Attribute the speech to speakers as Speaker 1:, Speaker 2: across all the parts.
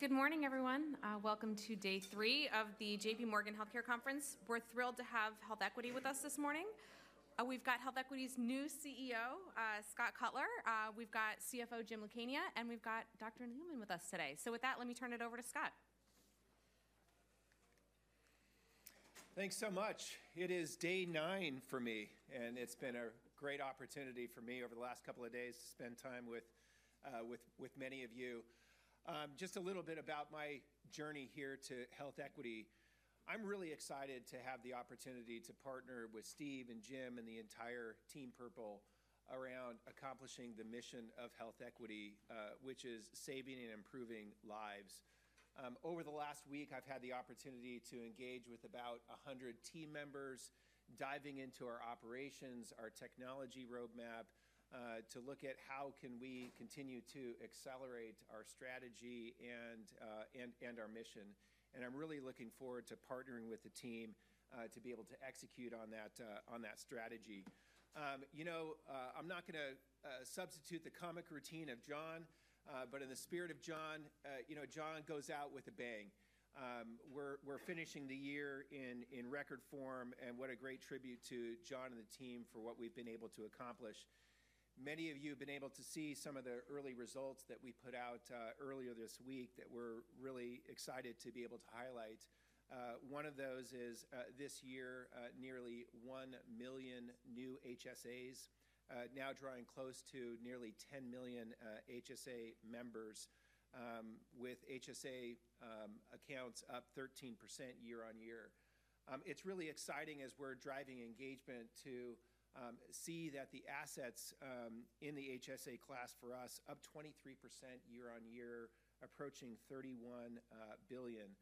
Speaker 1: Good morning, everyone. Welcome to day three of the JPMorgan Healthcare Conference. We're thrilled to have HealthEquity with us this morning. We've got HealthEquity's new CEO, Scott Cutler. We've got CFO, Jim Lucania, and we've got Dr. Neeleman with us today. So with that, let me turn it over to Scott.
Speaker 2: Thanks so much. It is day nine for me, and it's been a great opportunity for me over the last couple of days to spend time with many of you. Just a little bit about my journey here to HealthEquity: I'm really excited to have the opportunity to partner with Steve and Jim and the entire Team Purple around accomplishing the mission of HealthEquity, which is saving and improving lives. Over the last week, I've had the opportunity to engage with about 100 team members, diving into our operations, our technology roadmap, to look at how can we continue to accelerate our strategy and our mission. And I'm really looking forward to partnering with the team to be able to execute on that strategy. You know, I'm not going to substitute the comic routine of John, but in the spirit of John, you know, John goes out with a bang. We're finishing the year in record form, and what a great tribute to John and the team for what we've been able to accomplish. Many of you have been able to see some of the early results that we put out earlier this week that we're really excited to be able to highlight. One of those is this year, nearly one million new HSAs, now drawing close to nearly 10 million HSA members, with HSA accounts up 13% year on year. It's really exciting as we're driving engagement to see that the assets in the HSA class for us are up 23% year on year, approaching $31 billion.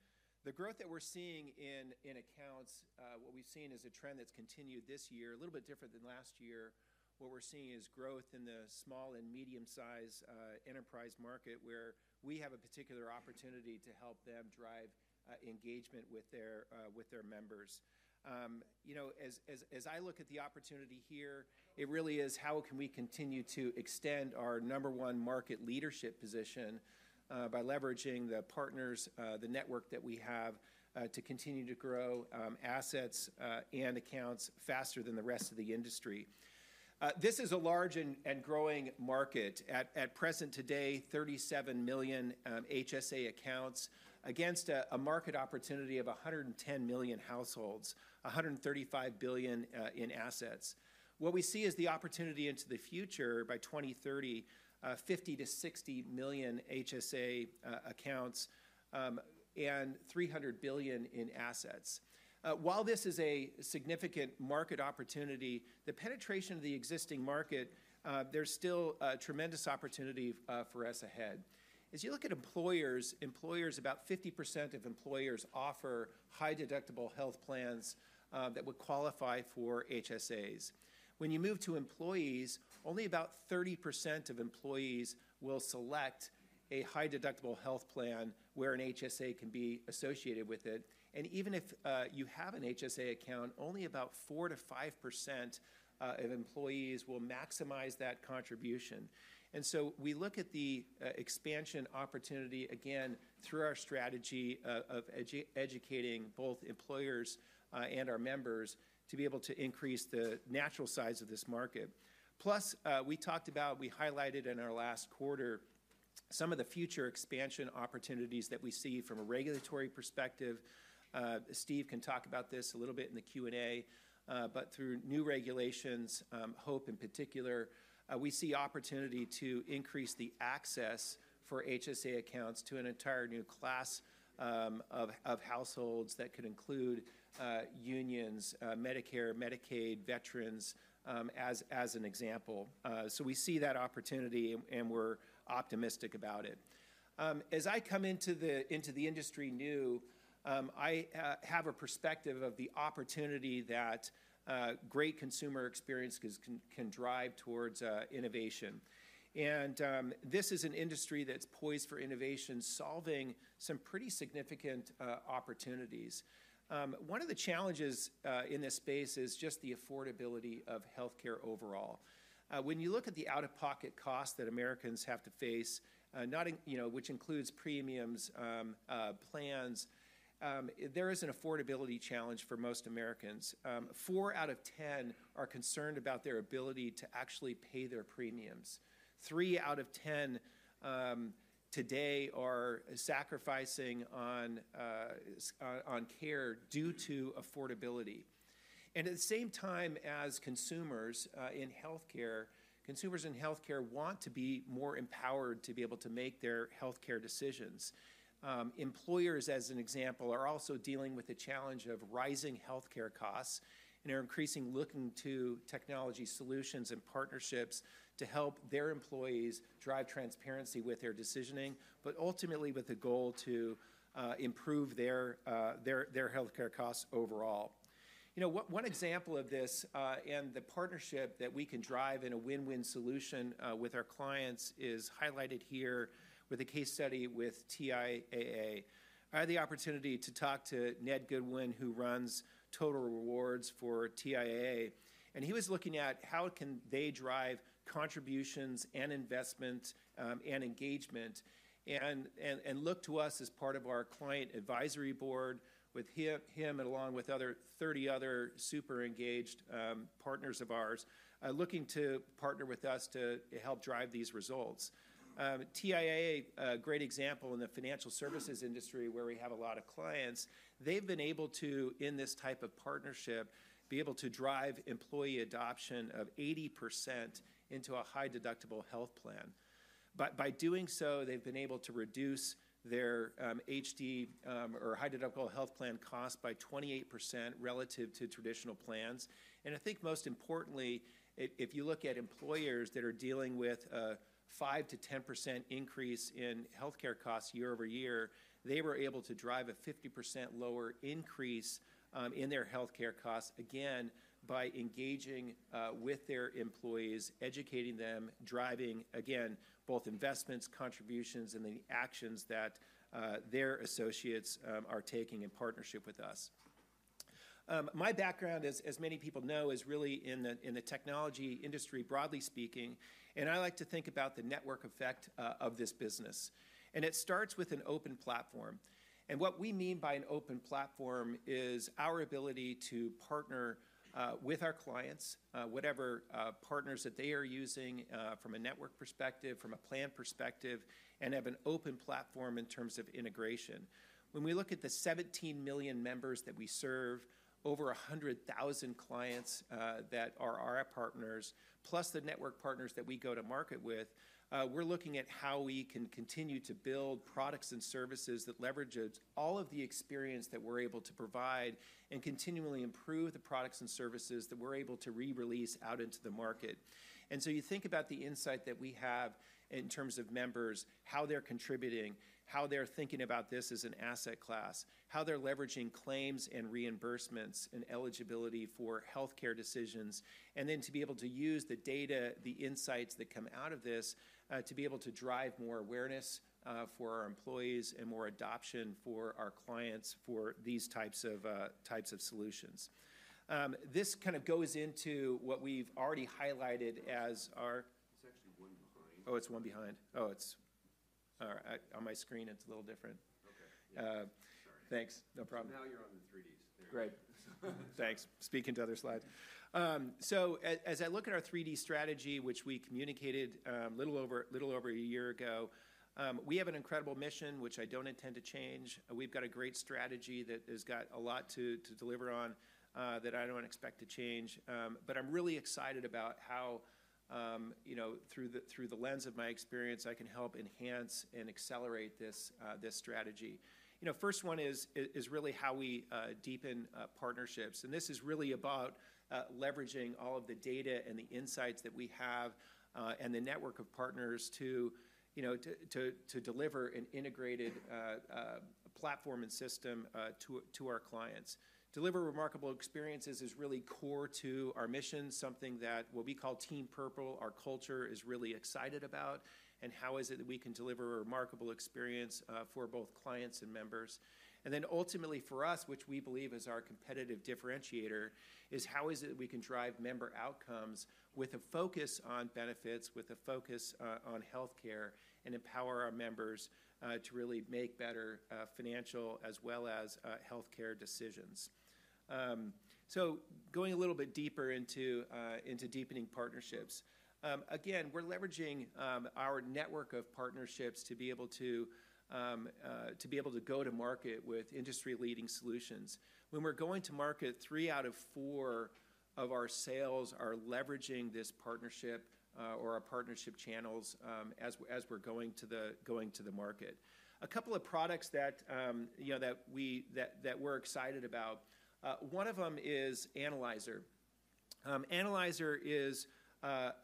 Speaker 2: The growth that we're seeing in accounts, what we've seen is a trend that's continued this year, a little bit different than last year. What we're seeing is growth in the small and medium-sized enterprise market, where we have a particular opportunity to help them drive engagement with their members. You know, as I look at the opportunity here, it really is how can we continue to extend our number one market leadership position by leveraging the partners, the network that we have, to continue to grow assets and accounts faster than the rest of the industry. This is a large and growing market. At present today, 37 million HSA accounts against a market opportunity of 110 million households, $135 billion in assets. What we see is the opportunity into the future by 2030: 50-60 million HSA accounts and $300 billion in assets. While this is a significant market opportunity, the penetration of the existing market, there's still tremendous opportunity for us ahead. As you look at employers, about 50% of employers offer high-deductible health plans that would qualify for HSAs. When you move to employees, only about 30% of employees will select a high-deductible health plan where an HSA can be associated with it. And even if you have an HSA account, only about 4%-5% of employees will maximize that contribution. And so we look at the expansion opportunity, again, through our strategy of educating both employers and our members to be able to increase the natural size of this market. Plus, we talked about, we highlighted in our last quarter some of the future expansion opportunities that we see from a regulatory perspective. Steve can talk about this a little bit in the Q&A, but through new regulations, HOPE in particular, we see opportunity to increase the access for HSA accounts to an entire new class of households that could include unions, Medicare, Medicaid, veterans, as an example. So we see that opportunity, and we're optimistic about it. As I come into the industry new, I have a perspective of the opportunity that great consumer experience can drive towards innovation, and this is an industry that's poised for innovation, solving some pretty significant opportunities. One of the challenges in this space is just the affordability of healthcare overall. When you look at the out-of-pocket costs that Americans have to face, which includes premiums, plans, there is an affordability challenge for most Americans. Four out of ten are concerned about their ability to actually pay their premiums. Three out of ten today are sacrificing on care due to affordability, and at the same time as consumers in healthcare want to be more empowered to be able to make their healthcare decisions. Employers, as an example, are also dealing with the challenge of rising healthcare costs and are increasingly looking to technology solutions and partnerships to help their employees drive transparency with their decisioning, but ultimately with a goal to improve their healthcare costs overall. You know, one example of this and the partnership that we can drive in a win-win solution with our clients is highlighted here with a case study with TIAA. I had the opportunity to talk to Ned Goodwin, who runs Total Rewards for TIAA, and he was looking at how can they drive contributions and investment and engagement and look to us as part of our client advisory board with him and along with 30 other super engaged partners of ours looking to partner with us to help drive these results. TIAA, a great example in the financial services industry where we have a lot of clients, they've been able to, in this type of partnership, be able to drive employee adoption of 80% into a high-deductible health plan. By doing so, they've been able to reduce their HD or high-deductible health plan costs by 28% relative to traditional plans. I think most importantly, if you look at employers that are dealing with a 5%-10% increase in healthcare costs year-over-year, they were able to drive a 50% lower increase in their healthcare costs, again, by engaging with their employees, educating them, driving, again, both investments, contributions, and the actions that their associates are taking in partnership with us. My background, as many people know, is really in the technology industry, broadly speaking, and I like to think about the network effect of this business. It starts with an open platform. What we mean by an open platform is our ability to partner with our clients, whatever partners that they are using from a network perspective, from a plan perspective, and have an open platform in terms of integration. When we look at the 17 million members that we serve, over 100,000 clients that are our partners, plus the network partners that we go to market with, we're looking at how we can continue to build products and services that leverage all of the experience that we're able to provide and continually improve the products and services that we're able to re-release out into the market. And so you think about the insight that we have in terms of members, how they're contributing, how they're thinking about this as an asset class, how they're leveraging claims and reimbursements and eligibility for healthcare decisions, and then to be able to use the data, the insights that come out of this to be able to drive more awareness for our employees and more adoption for our clients for these types of solutions. This kind of goes into what we've already highlighted as our.
Speaker 3: It's actually one behind.
Speaker 2: Oh, it's one behind. Oh, it's on my screen, it's a little different.
Speaker 3: Okay.
Speaker 2: Thanks. No problem.
Speaker 3: Now you're on the 3Ds.
Speaker 2: Great. Thanks. Speaking to other slides, so as I look at our 3D strategy, which we communicated a little over a year ago, we have an incredible mission, which I don't intend to change. We've got a great strategy that has got a lot to deliver on that I don't expect to change, but I'm really excited about how, through the lens of my experience, I can help enhance and accelerate this strategy. You know, first one is really how we deepen partnerships, and this is really about leveraging all of the data and the insights that we have and the network of partners to deliver an integrated platform and system to our clients. Deliver remarkable experiences is really core to our mission, something, what we call Team Purple, our culture, is really excited about, and how is it that we can deliver a remarkable experience for both clients and members. And then ultimately for us, which we believe is our competitive differentiator, is how is it that we can drive member outcomes with a focus on benefits, with a focus on healthcare, and empower our members to really make better financial as well as healthcare decisions. So going a little bit deeper into deepening partnerships, again, we're leveraging our network of partnerships to be able to go to market with industry-leading solutions. When we're going to market, three out of four of our sales are leveraging this partnership or our partnership channels as we're going to the market. A couple of products that we're excited about, one of them is Analyzer. Analyzer is a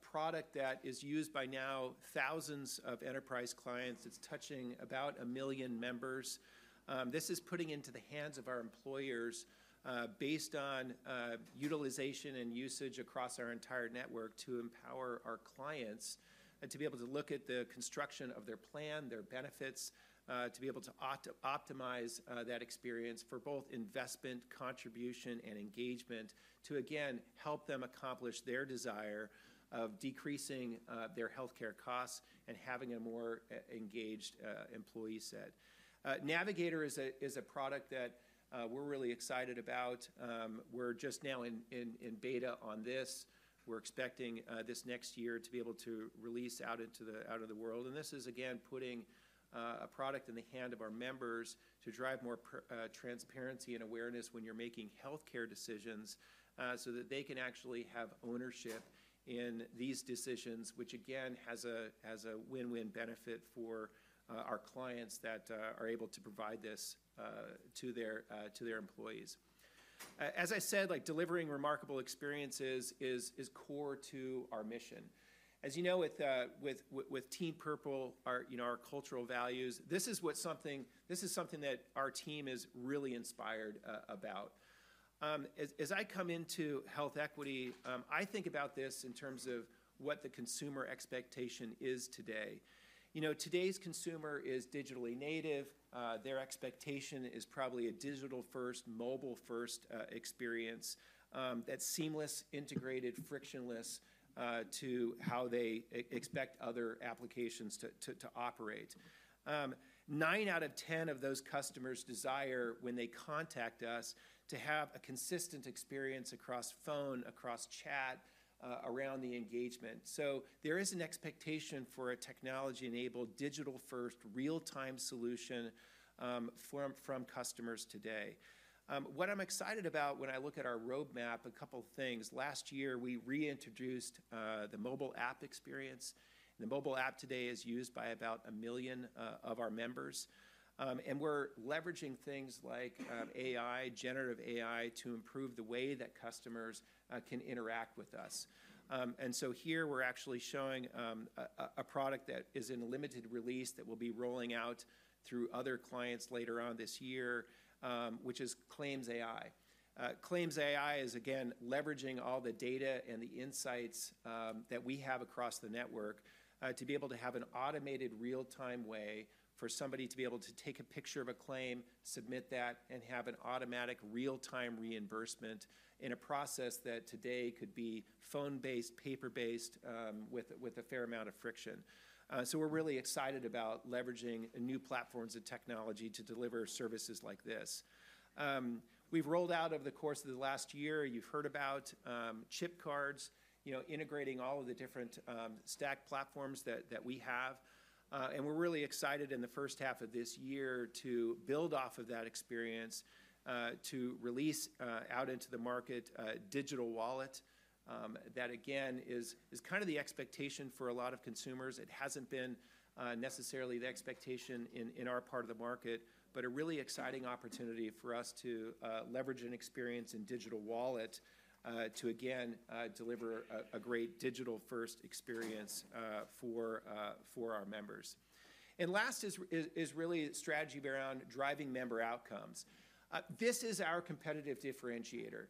Speaker 2: product that is used by now thousands of enterprise clients. It's touching about a million members. This is putting into the hands of our employers based on utilization and usage across our entire network to empower our clients and to be able to look at the construction of their plan, their benefits, to be able to optimize that experience for both investment, contribution, and engagement to, again, help them accomplish their desire of decreasing their healthcare costs and having a more engaged employee set. Navigator is a product that we're really excited about. We're just now in beta on this. We're expecting this next year to be able to release out into the world. And this is, again, putting a product in the hand of our members to drive more transparency and awareness when you're making healthcare decisions so that they can actually have ownership in these decisions, which, again, has a win-win benefit for our clients that are able to provide this to their employees. As I said, delivering remarkable experiences is core to our mission. As you know, with Team Purple, our cultural values, this is something that our team is really inspired about. As I come into HealthEquity, I think about this in terms of what the consumer expectation is today. You know, today's consumer is digitally native. Their expectation is probably a digital-first, mobile-first experience that's seamless, integrated, frictionless to how they expect other applications to operate. Nine out of ten of those customers desire, when they contact us, to have a consistent experience across phone, across chat, around the engagement. So there is an expectation for a technology-enabled, digital-first, real-time solution from customers today. What I'm excited about when I look at our roadmap, a couple of things. Last year, we reintroduced the mobile app experience. The mobile app today is used by about a million of our members. And we're leveraging things like AI, generative AI, to improve the way that customers can interact with us. And so here, we're actually showing a product that is in limited release that we'll be rolling out through other clients later on this year, which is ClaimsAI. ClaimsAI is, again, leveraging all the data and the insights that we have across the network to be able to have an automated, real-time way for somebody to be able to take a picture of a claim, submit that, and have an automatic real-time reimbursement in a process that today could be phone-based, paper-based, with a fair amount of friction, so we're really excited about leveraging new platforms and technology to deliver services like this. We've rolled out over the course of the last year. You've heard about chip cards, integrating all of the different stack platforms that we have, and we're really excited in the first half of this year to build off of that experience to release out into the market a digital wallet that, again, is kind of the expectation for a lot of consumers. It hasn't been necessarily the expectation in our part of the market, but a really exciting opportunity for us to leverage an experience in digital wallet to, again, deliver a great digital-first experience for our members, and last is really strategy around driving member outcomes. This is our competitive differentiator.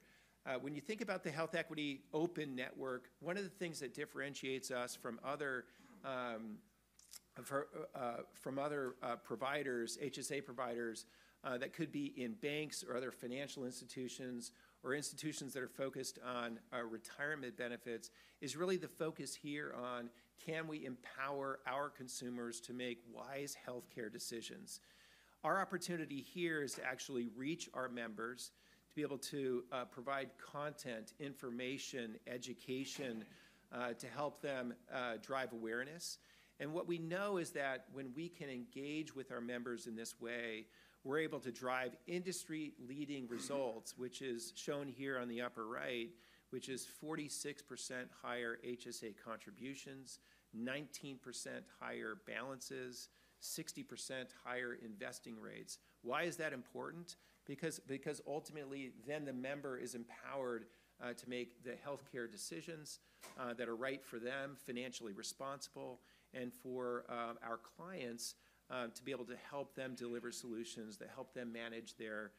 Speaker 2: When you think about the HealthEquity Open Network, one of the things that differentiates us from other providers, HSA providers, that could be in banks or other financial institutions or institutions that are focused on retirement benefits, is really the focus here on, can we empower our consumers to make wise healthcare decisions? Our opportunity here is to actually reach our members to be able to provide content, information, education to help them drive awareness. And what we know is that when we can engage with our members in this way, we're able to drive industry-leading results, which is shown here on the upper right, which is 46% higher HSA contributions, 19% higher balances, 60% higher investing rates. Why is that important? Because ultimately then the member is empowered to make the healthcare decisions that are right for them, financially responsible, and for our clients to be able to help them deliver solutions that help them manage their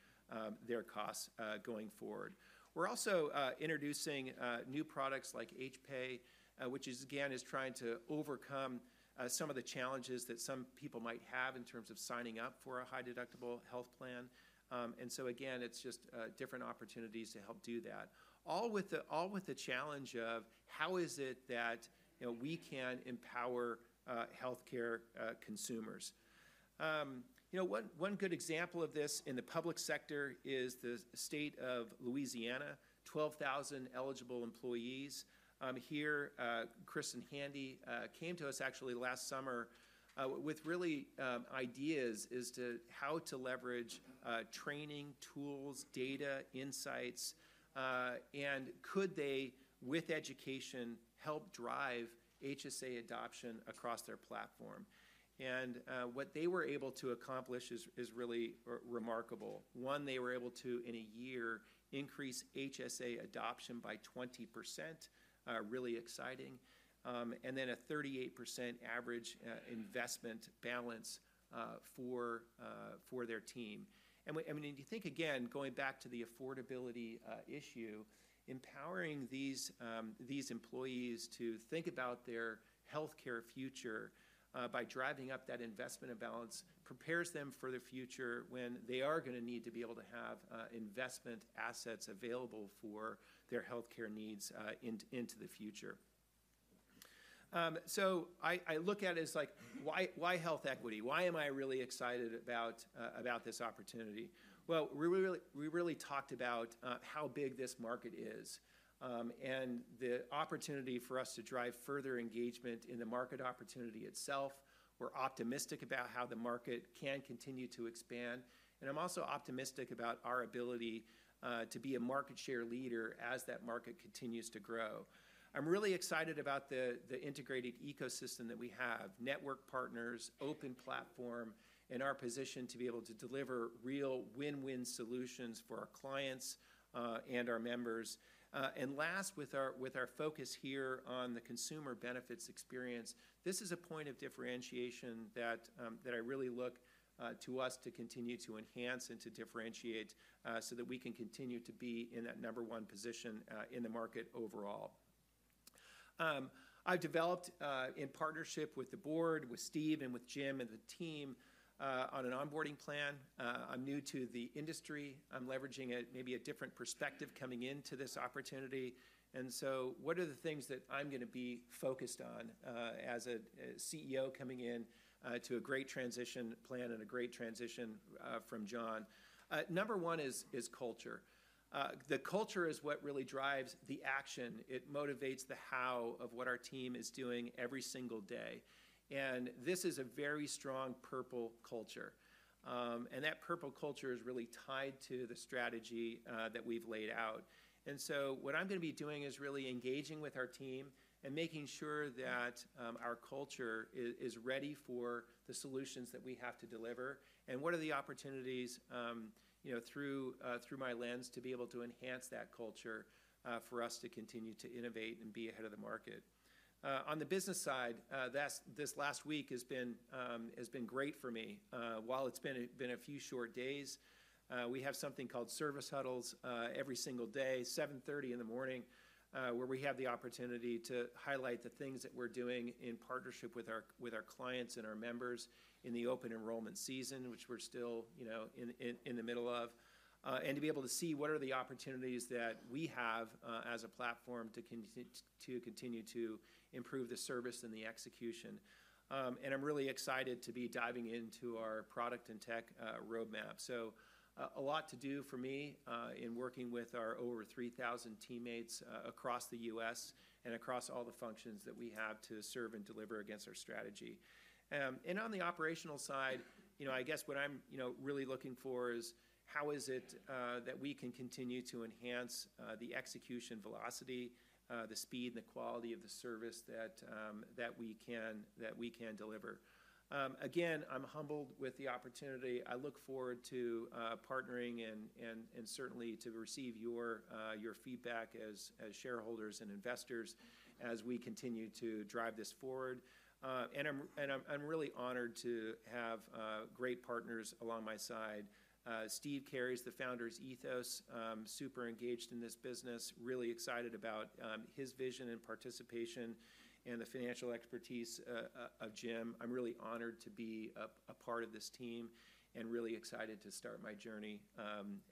Speaker 2: costs going forward. We're also introducing new products like HPA, which is, again, trying to overcome some of the challenges that some people might have in terms of signing up for a high-deductible health plan. And so, again, it's just different opportunities to help do that, all with the challenge of how is it that we can empower healthcare consumers. You know, one good example of this in the public sector is the State of Louisiana, 12,000 eligible employees. Here, Chris and Andy came to us actually last summer with real ideas as to how to leverage training tools, data, insights, and could they, with education, help drive HSA adoption across their platform. And what they were able to accomplish is really remarkable. One, they were able to, in a year, increase HSA adoption by 20%, really exciting, and then a 38% average investment balance for their team. And when you think, again, going back to the affordability issue, empowering these employees to think about their healthcare future by driving up that investment balance prepares them for the future when they are going to need to be able to have investment assets available for their healthcare needs into the future. So I look at it as like, why HealthEquity? Why am I really excited about this opportunity? We really talked about how big this market is and the opportunity for us to drive further engagement in the market opportunity itself. We're optimistic about how the market can continue to expand. I'm also optimistic about our ability to be a market share leader as that market continues to grow. I'm really excited about the integrated ecosystem that we have, network partners, open platform, and our position to be able to deliver real win-win solutions for our clients and our members. Last, with our focus here on the consumer benefits experience, this is a point of differentiation that I really look to us to continue to enhance and to differentiate so that we can continue to be in that number one position in the market overall. I've developed, in partnership with the board, with Steve and with Jim and the team, on an onboarding plan. I'm new to the industry. I'm leveraging maybe a different perspective coming into this opportunity, and so what are the things that I'm going to be focused on as a CEO coming into a great transition plan and a great transition from John? Number one is culture. The culture is what really drives the action. It motivates the how of what our team is doing every single day, and this is a very strong purple culture, and that purple culture is really tied to the strategy that we've laid out. And so what I'm going to be doing is really engaging with our team and making sure that our culture is ready for the solutions that we have to deliver and what are the opportunities through my lens to be able to enhance that culture for us to continue to innovate and be ahead of the market. On the business side, this last week has been great for me. While it's been a few short days, we have something called Service huddles every single day, 7:30 A.M., where we have the opportunity to highlight the things that we're doing in partnership with our clients and our members in the open enrollment season, which we're still in the middle of, and to be able to see what are the opportunities that we have as a platform to continue to improve the service and the execution. I'm really excited to be diving into our product and tech roadmap. A lot to do for me in working with our over 3,000 teammates across the U.S. and across all the functions that we have to serve and deliver against our strategy. On the operational side, I guess what I'm really looking for is how is it that we can continue to enhance the execution velocity, the speed, and the quality of the service that we can deliver. Again, I'm humbled with the opportunity. I look forward to partnering and certainly to receive your feedback as shareholders and investors as we continue to drive this forward. I'm really honored to have great partners along my side. Steve carries the founder's ethos, super engaged in this business, really excited about his vision and participation and the financial expertise of Jim. I'm really honored to be a part of this team and really excited to start my journey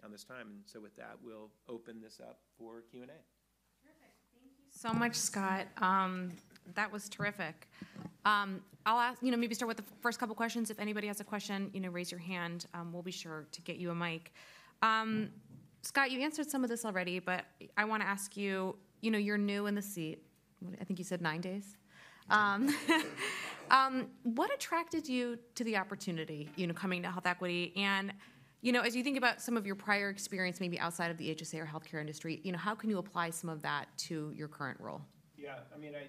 Speaker 2: at this time. And so with that, we'll open this up for Q&A. Thank you so much, Scott. That was terrific. I'll ask, maybe start with the first couple of questions. If anybody has a question, raise your hand. We'll be sure to get you a mic. Scott, you answered some of this already, but I want to ask you, you're new in the seat. I think you said nine days. What attracted you to the opportunity coming to HealthEquity? And as you think about some of your prior experience, maybe outside of the HSA or healthcare industry, how can you apply some of that to your current role? Yeah. I mean, I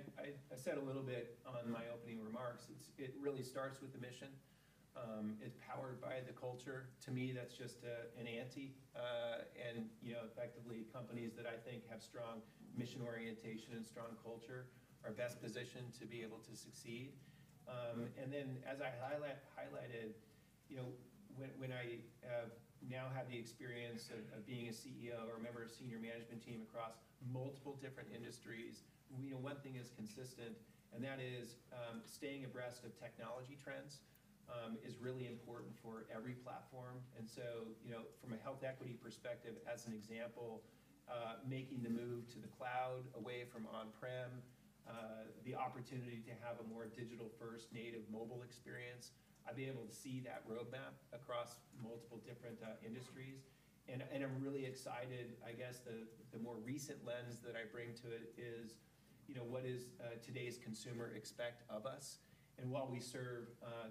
Speaker 2: said a little bit on my opening remarks. It really starts with the mission. It's powered by the culture. To me, that's just an ante, and effectively, companies that I think have strong mission orientation and strong culture are best positioned to be able to succeed. Then, as I highlighted, when I now have the experience of being a CEO or a member of a senior management team across multiple different industries, one thing is consistent, and that is staying abreast of technology trends is really important for every platform. So from a HealthEquity perspective, as an example, making the move to the cloud, away from on-prem, the opportunity to have a more digital-first native mobile experience, I've been able to see that roadmap across multiple different industries. And I'm really excited. I guess the more recent lens that I bring to it is what does today's consumer expect of us? And while we serve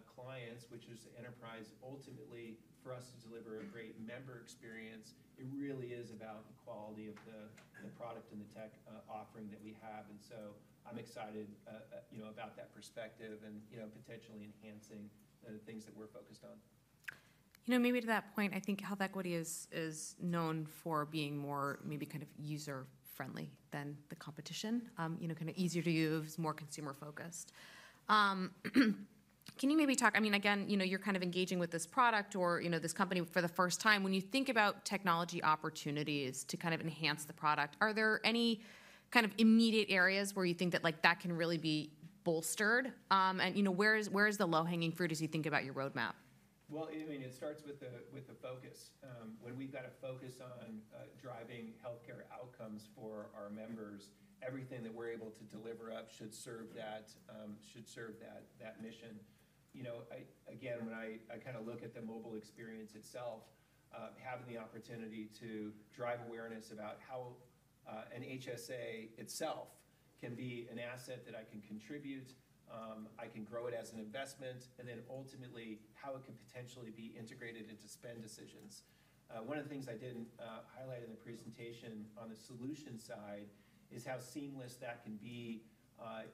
Speaker 2: clients, which is enterprise, ultimately for us to deliver a great member experience, it really is about the quality of the product and the tech offering that we have. And so I'm excited about that perspective and potentially enhancing the things that we're focused on. Maybe to that point, I think HealthEquity is known for being more maybe kind of user-friendly than the competition, kind of easier to use, more consumer-focused. Can you maybe talk, I mean, again, you're kind of engaging with this product or this company for the first time? When you think about technology opportunities to kind of enhance the product, are there any kind of immediate areas where you think that that can really be bolstered? And where is the low-hanging fruit as you think about your roadmap? Well, I mean, it starts with the focus. When we've got to focus on driving healthcare outcomes for our members, everything that we're able to deliver up should serve that mission. Again, when I kind of look at the mobile experience itself, having the opportunity to drive awareness about how an HSA itself can be an asset that I can contribute, I can grow it as an investment, and then ultimately how it can potentially be integrated into spend decisions. One of the things I didn't highlight in the presentation on the solution side is how seamless that can be on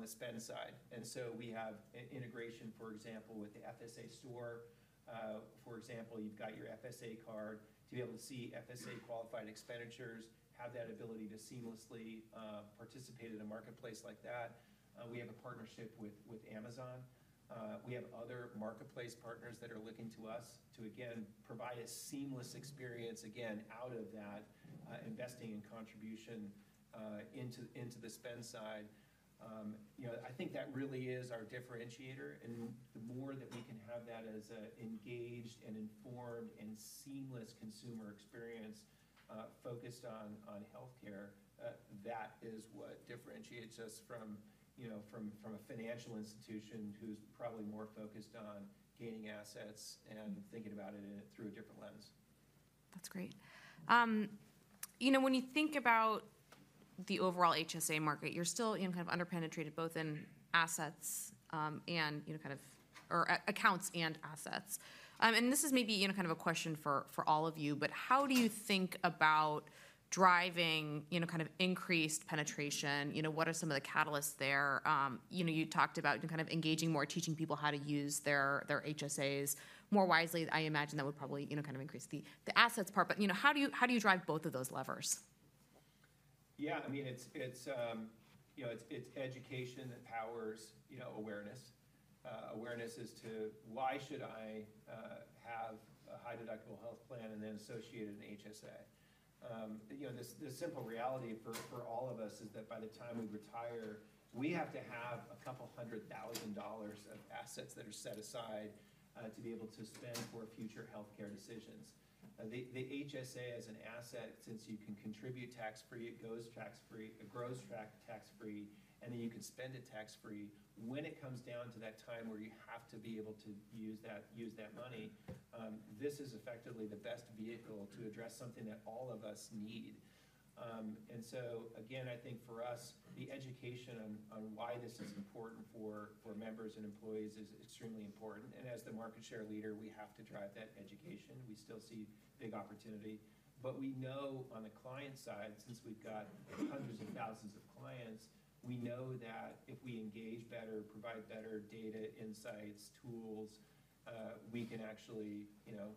Speaker 2: the spend side. And so we have integration, for example, with the FSA Store. For example, you've got your FSA card to be able to see FSA qualified expenditures, have that ability to seamlessly participate in a marketplace like that. We have a partnership with Amazon. We have other marketplace partners that are looking to us to, again, provide a seamless experience, again, out of that investing and contribution into the spend side. I think that really is our differentiator. And the more that we can have that as an engaged and informed and seamless consumer experience focused on healthcare, that is what differentiates us from a financial institution who's probably more focused on gaining assets and thinking about it through a different lens. That's great. When you think about the overall HSA market, you're still kind of underpenetrated both in assets and kind of accounts and assets. And this is maybe kind of a question for all of you, but how do you think about driving kind of increased penetration? What are some of the catalysts there? You talked about kind of engaging more, teaching people how to use their HSAs more wisely. I imagine that would probably kind of increase the assets part. But how do you drive both of those levers? Yeah. I mean, it's education that powers awareness. Awareness as to why should I have a high-deductible health plan and then associate an HSA? The simple reality for all of us is that by the time we retire, we have to have $200,000 of assets that are set aside to be able to spend for future healthcare decisions. The HSA as an asset, since you can contribute tax-free, it grows tax-free, and then you can spend it tax-free. When it comes down to that time where you have to be able to use that money, this is effectively the best vehicle to address something that all of us need. And so, again, I think for us, the education on why this is important for members and employees is extremely important. And as the market share leader, we have to drive that education. We still see big opportunity, but we know on the client side, since we've got hundreds of thousands of clients, we know that if we engage better, provide better data, insights, tools, we can actually,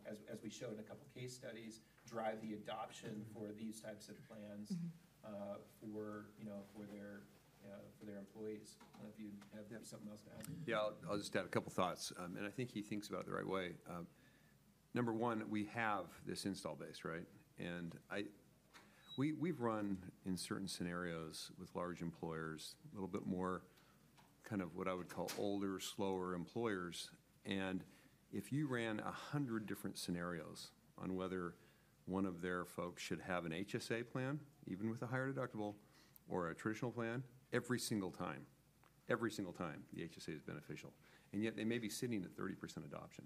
Speaker 2: as we showed in a couple of case studies, drive the adoption for these types of plans for their employees. I don't know if you have something else to add.
Speaker 3: Yeah. I'll just add a couple of thoughts. And I think he thinks about it the right way. Number one, we have this installed base, right? And we've run certain scenarios with large employers, a little bit more kind of what I would call older, slower employers. And if you ran 100 different scenarios on whether one of their folks should have an HSA plan, even with a higher deductible or a traditional plan, every single time, every single time, the HSA is beneficial. And yet they may be sitting at 30% adoption.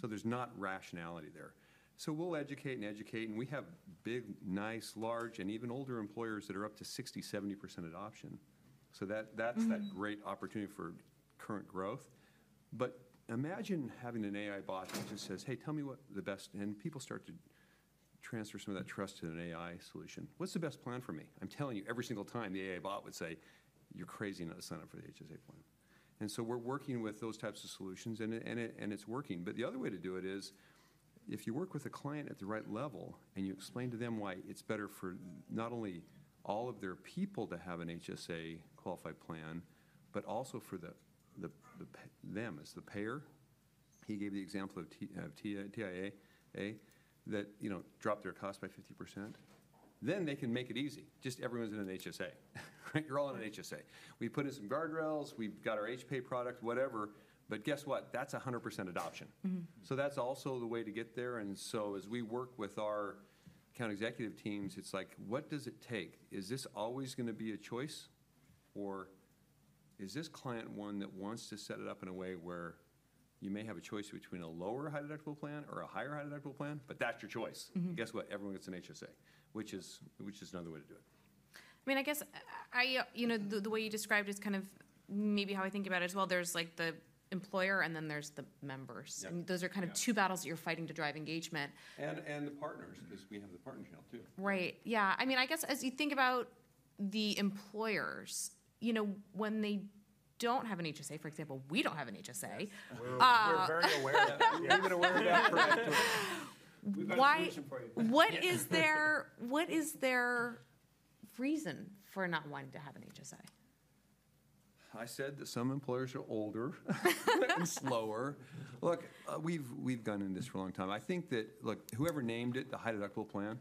Speaker 3: So there's not rationality there. So we'll educate and educate. And we have big, nice, large, and even older employers that are up to 60%-70% adoption. So that's that great opportunity for current growth. But imagine having an AI bot that just says, "Hey, tell me what the best," and people start to transfer some of that trust to an AI solution. What's the best plan for me? I'm telling you, every single time, the AI bot would say, "You're crazy," and it'll sign up for the HSA plan. And so we're working with those types of solutions, and it's working. But the other way to do it is if you work with a client at the right level and you explain to them why it's better for not only all of their people to have an HSA qualified plan, but also for them as the payer. He gave the example of TIAA that dropped their cost by 50%. Then they can make it easy. Just everyone's in an HSA, right? You're all in an HSA. We put in some guardrails. We've got our HPA product, whatever. But guess what? That's 100% adoption. So that's also the way to get there. And so as we work with our account executive teams, it's like, what does it take? Is this always going to be a choice? Or is this client one that wants to set it up in a way where you may have a choice between a lower high-deductible plan or a higher high-deductible plan, but that's your choice? Guess what? Everyone gets an HSA, which is another way to do it. I mean, I guess the way you described is kind of maybe how I think about it as well. There's the employer, and then there's the members. And those are kind of two battles that you're fighting to drive engagement. And the partners because we have the partner channel too. Right. Yeah. I mean, I guess as you think about the employers, when they don't have an HSA, for example, we don't have an HSA. We're very aware of that. Yeah, you've been aware of that for a while. What is their reason for not wanting to have an HSA? I said that some employers are older and slower. Look, we've gone into this for a long time. I think that, look, whoever named it the high-deductible plan.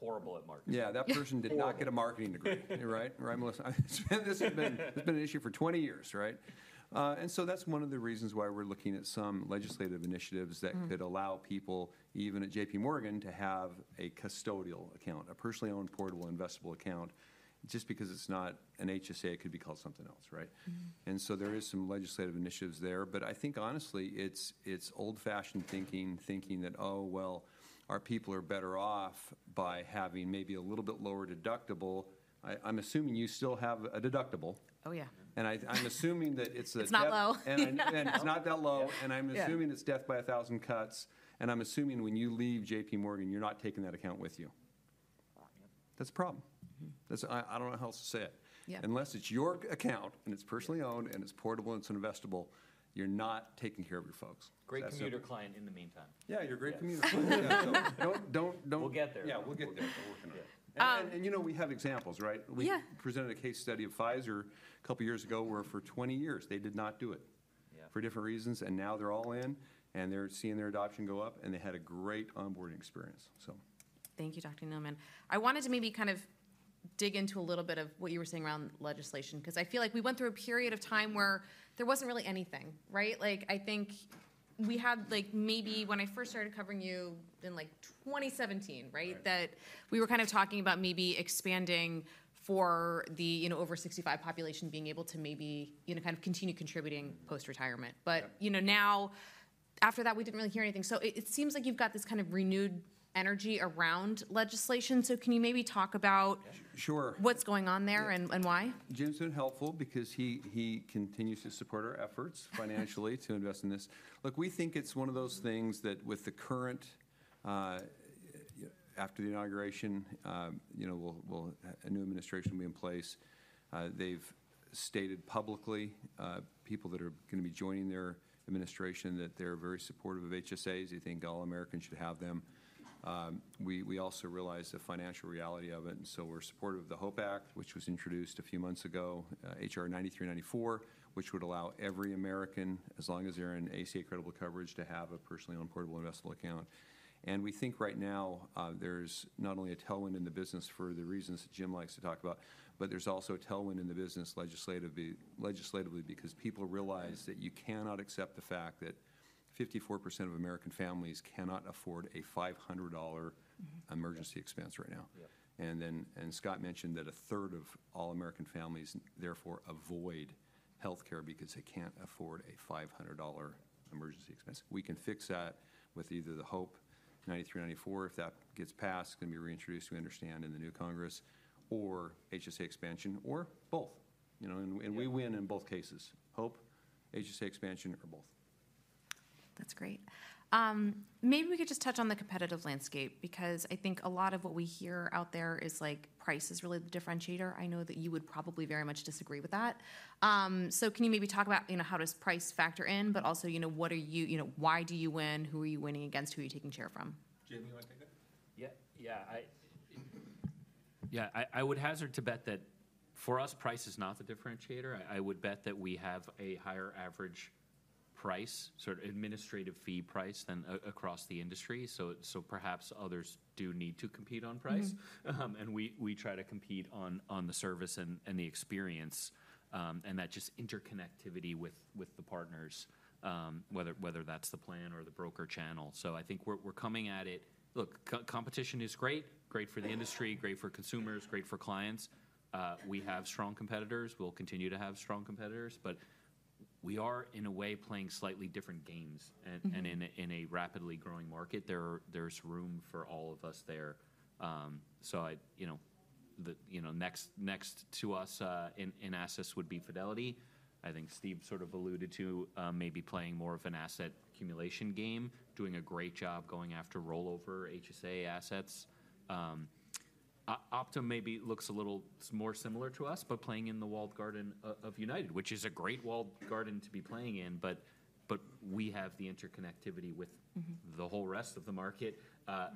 Speaker 4: Horrible at marketing.
Speaker 3: Yeah. That person did not get a marketing degree, right? Right? This has been an issue for 20 years, right? And so that's one of the reasons why we're looking at some legislative initiatives that could allow people, even at J.P. Morgan, to have a custodial account, a personally owned portable investable account, just because it's not an HSA, it could be called something else, right? And so there is some legislative initiatives there. But I think, honestly, it's old-fashioned thinking, thinking that, "Oh, well, our people are better off by having maybe a little bit lower deductible." I'm assuming you still have a deductible.
Speaker 4: Oh, yeah.
Speaker 3: I'm assuming that it's a. It's not low. It's not that low. I'm assuming it's death by a thousand cuts. I'm assuming when you leave JPMorgan, you're not taking that account with you. That's a problem. I don't know how else to say it. Unless it's your account and it's personally owned and it's portable and it's investable, you're not taking care of your folks.
Speaker 4: Great commuter client in the meantime.
Speaker 3: Yeah. You're a great consumer client.
Speaker 4: We'll get there.
Speaker 3: Yeah. We'll get there. We're working on it. And we have examples, right? We presented a case study of Pfizer a couple of years ago where for 20 years, they did not do it for different reasons. And now they're all in, and they're seeing their adoption go up, and they had a great onboarding experience, so. Thank you, Dr. Neeleman. I wanted to maybe kind of dig into a little bit of what you were saying around legislation because I feel like we went through a period of time where there wasn't really anything, right? I think we had maybe when I first started covering you in 2017, right, that we were kind of talking about maybe expanding for the over-65 population being able to maybe kind of continue contributing post-retirement, but now, after that, we didn't really hear anything, so it seems like you've got this kind of renewed energy around legislation, so can you maybe talk about Sure. What's going on there and why? Jim's been helpful because he continues to support our efforts financially to invest in this. Look, we think it's one of those things that with the current, after the inauguration, a new administration will be in place. They've stated publicly, people that are going to be joining their administration, that they're very supportive of HSAs. They think all Americans should have them. We also realize the financial reality of it, and so we're supportive of the HOPE Act, which was introduced a few months ago, HR 9394, which would allow every American, as long as they're in ACA credible coverage, to have a personally owned portable investable account. And we think right now there's not only a tailwind in the business for the reasons that Jim likes to talk about, but there's also a tailwind in the business legislatively because people realize that you cannot accept the fact that 54% of American families cannot afford a $500 emergency expense right now. And Scott mentioned that a third of all American families, therefore, avoid healthcare because they can't afford a $500 emergency expense. We can fix that with either the HOPE 9394, if that gets passed, it's going to be reintroduced, we understand, in the new Congress, or HSA expansion, or both. And we win in both cases, HOPE Act, HSA expansion, or both. That's great. Maybe we could just touch on the competitive landscape because I think a lot of what we hear out there is price is really the differentiator. I know that you would probably very much disagree with that. So can you maybe talk about how does price factor in, but also what are you why do you win? Who are you winning against? Who are you taking care of from? Jim, you want to take that?
Speaker 4: Yeah. Yeah. Yeah. I would hazard to bet that for us, price is not the differentiator. I would bet that we have a higher average price, sort of administrative fee price than across the industry. So perhaps others do need to compete on price, and we try to compete on the service and the experience and that just interconnectivity with the partners, whether that's the plan or the broker channel. So I think we're coming at it. Look, competition is great, great for the industry, great for consumers, great for clients. We have strong competitors. We'll continue to have strong competitors, but we are, in a way, playing slightly different games, and in a rapidly growing market, there's room for all of us there. So next to us in assets would be Fidelity. I think Steve sort of alluded to maybe playing more of an asset accumulation game, doing a great job going after rollover HSA assets. Optum maybe looks a little more similar to us, but playing in the walled garden of United, which is a great walled garden to be playing in, but we have the interconnectivity with the whole rest of the market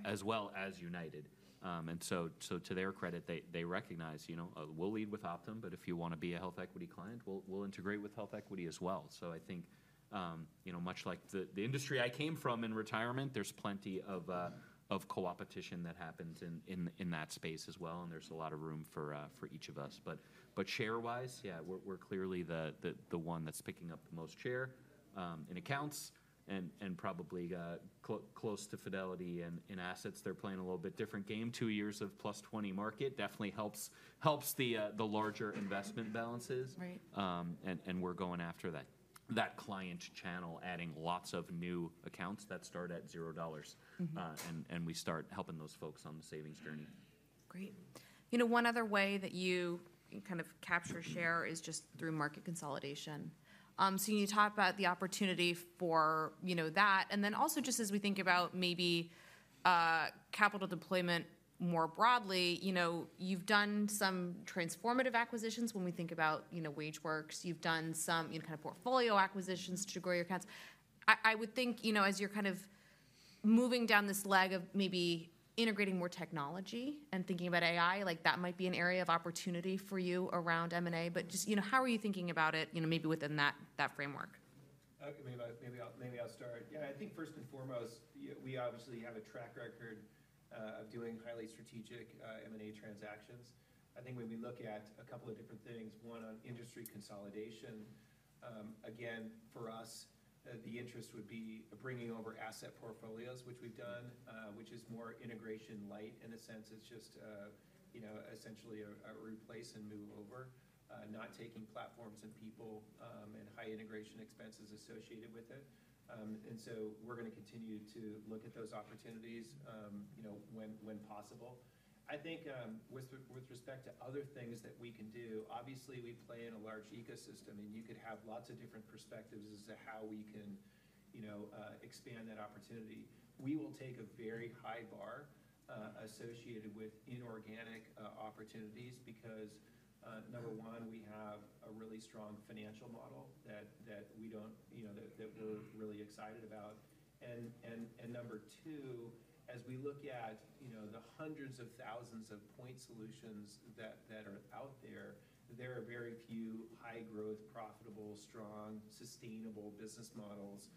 Speaker 4: as well as United, and so to their credit, they recognize we'll lead with Optum, but if you want to be a HealthEquity client, we'll integrate with HealthEquity as well, so I think much like the industry I came from in retirement, there's plenty of coopetition that happens in that space as well, and there's a lot of room for each of us, but share-wise, yeah, we're clearly the one that's picking up the most share in accounts and probably close to Fidelity in assets. They're playing a little bit different game. Two years of plus 20 market definitely helps the larger investment balances. Right. And we're going after that client channel, adding lots of new accounts that start at $0. And we start helping those folks on the savings journey. Great. One other way that you can kind of capture share is just through market consolidation, so you talk about the opportunity for that, and then also just as we think about maybe capital deployment more broadly, you've done some transformative acquisitions. When we think about WageWorks, you've done some kind of portfolio acquisitions to grow your accounts. I would think as you're kind of moving down this leg of maybe integrating more technology and thinking about AI, that might be an area of opportunity for you around M&A, but just how are you thinking about it maybe within that framework?
Speaker 2: Maybe I'll start. Yeah. I think first and foremost, we obviously have a track record of doing highly strategic M&A transactions. I think when we look at a couple of different things, one on industry consolidation, again, for us, the interest would be bringing over asset portfolios, which we've done, which is more integration light in a sense. It's just essentially a replace and move over, not taking platforms and people and high integration expenses associated with it, and so we're going to continue to look at those opportunities when possible. I think with respect to other things that we can do, obviously, we play in a large ecosystem, and you could have lots of different perspectives as to how we can expand that opportunity. We will take a very high bar associated with inorganic opportunities because, number one, we have a really strong financial model that we're really excited about. And number two, as we look at the hundreds of thousands of point solutions that are out there, there are very few high-growth, profitable, strong, sustainable business models.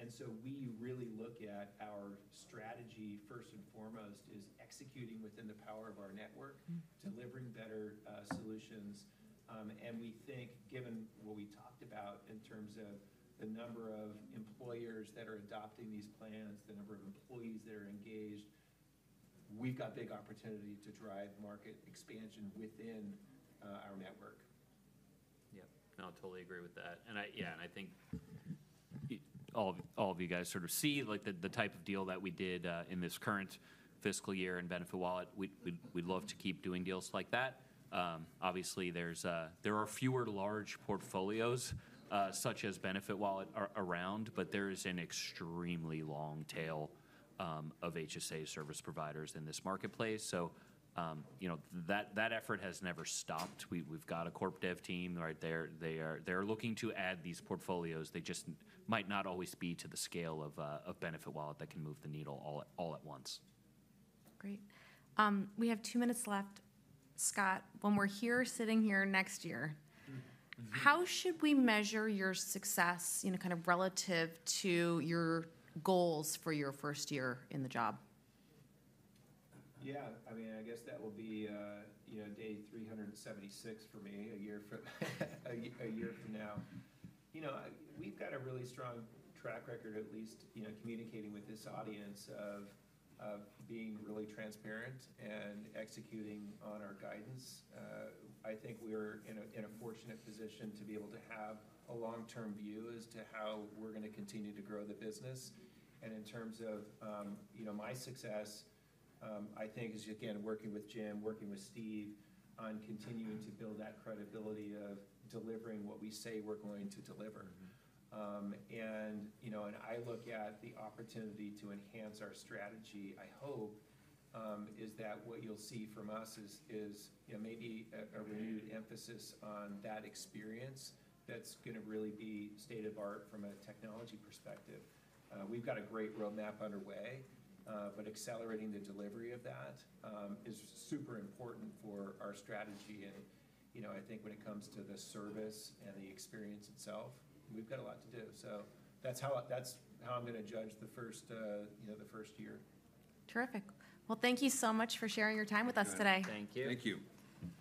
Speaker 2: And so we really look at our strategy first and foremost is executing within the power of our network, delivering better solutions. And we think, given what we talked about in terms of the number of employers that are adopting these plans, the number of employees that are engaged, we've got big opportunity to drive market expansion within our network.
Speaker 4: Yeah. No, I totally agree with that, and yeah, and I think all of you guys sort of see the type of deal that we did in this current fiscal year in BenefitWallet. We'd love to keep doing deals like that. Obviously, there are fewer large portfolios such as BenefitWallet around, but there is an extremely long tail of HSA service providers in this marketplace, so that effort has never stopped. We've got a corporate dev team right there. They are looking to add these portfolios. They just might not always be to the scale of BenefitWallet that can move the needle all at once. Great. We have two minutes left. Scott, when we're here sitting here next year, how should we measure your success kind of relative to your goals for your first year in the job?
Speaker 2: Yeah. I mean, I guess that will be day 376 for me, a year from now. We've got a really strong track record, at least communicating with this audience of being really transparent and executing on our guidance. I think we're in a fortunate position to be able to have a long-term view as to how we're going to continue to grow the business. And in terms of my success, I think is, again, working with Jim, working with Steve on continuing to build that credibility of delivering what we say we're going to deliver. And I look at the opportunity to enhance our strategy, I hope, is that what you'll see from us is maybe a renewed emphasis on that experience that's going to really be state of the art from a technology perspective. We've got a great roadmap underway, but accelerating the delivery of that is super important for our strategy. And I think when it comes to the service and the experience itself, we've got a lot to do. So that's how I'm going to judge the first year. Terrific. Well, thank you so much for sharing your time with us today. Thank you.
Speaker 3: Thank you.
Speaker 2: Thank you.